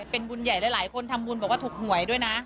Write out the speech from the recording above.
เป็นบุญใหญ่หลายคนทำบุญบอกว่าถูกหวยด้วยนะ